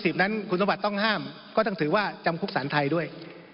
นั้นคุณสมบัติต้องห้ามก็ต้องถือว่าจำคุกสารไทยด้วย